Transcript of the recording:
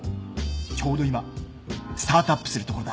ちょうど今スタートアップするところだ。